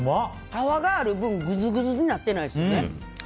皮がある分ぐずぐずになってないしね。